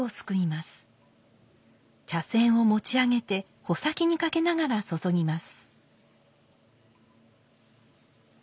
茶筅を持ち上げて穂先にかけながら注ぎます。